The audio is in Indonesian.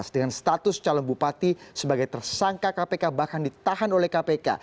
dengan status calon bupati sebagai tersangka kpk bahkan ditahan oleh kpk